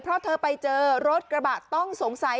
เพราะเธอไปเจอรถกระบะต้องสงสัย